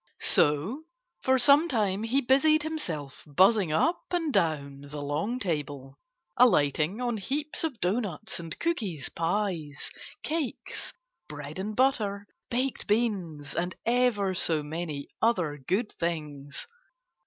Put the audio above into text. So for some time he busied himself buzzing up and down the long table, alighting on heaps of doughnuts and cookies, pies, cakes, bread and butter, baked beans and ever so many other good things.